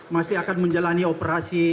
masih akan menjalani operasi